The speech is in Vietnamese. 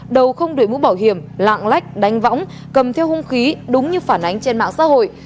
đầu không đuổi mũ bảo hiểm lạng lách đánh võng cầm theo hung khí đúng như phản ánh trên mạng xã hội